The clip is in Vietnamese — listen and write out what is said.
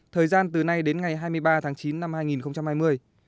thời gian từ nay đến ngày hai mươi ba tháng chín năm hai nghìn hai mươi